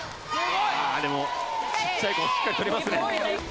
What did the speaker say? でもちっちゃい子しっかり捕りますね。